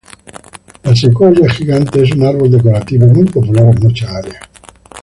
La Secoya gigante es un árbol decorativo muy popular en muchas áreas.